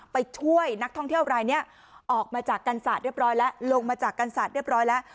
ไปช่วยนักท่องเที่ยวรายเนี้ยออกมาจากกันศาสตร์เรียบร้อยแล้ว